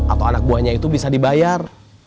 atau anak buahnya itu bisa dibayar